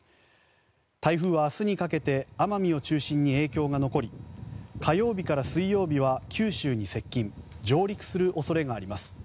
台風は明日にかけて奄美を中心に影響が残り火曜日から水曜日は九州に接近・上陸する恐れがあります。